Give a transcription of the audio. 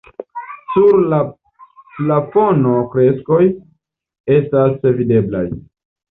Sur la plafono freskoj estas videblaj.